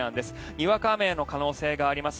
にわか雨の可能性があります。